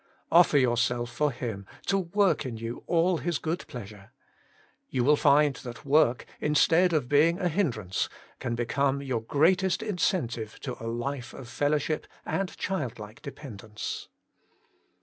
Offer yourself for Him to work in you all His good pleasure. You will find that work, instead of being a hindrance, can become your greatest incentive to a life of fellow ship and childlike dependence.